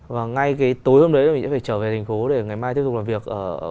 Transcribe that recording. và ngay cái tối hôm đấy mình sẽ phải trở về thành phố để ngày mai tiếp tục làm việc ở